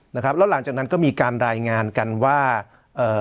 นะครับแล้วหลังจากนั้นก็มีการรายงานกันว่าเอ่อ